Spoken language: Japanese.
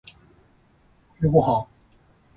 お昼ご飯。